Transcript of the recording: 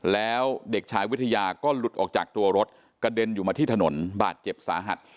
แล้วเด็กชายวิทยาก็หลุดออกจากตัวรถกระเด็นอยู่มาที่ถนนบาดเจ็บสาหัส